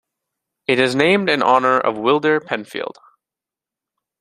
It is named in honour of Wilder Penfield.